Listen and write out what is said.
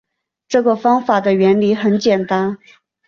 这个方法的原理很简单